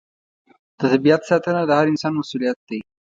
د طبیعت ساتنه د هر انسان مسوولیت دی.